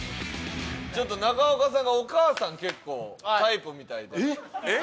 ちょっと中岡さんがお母さん結構タイプみたいで。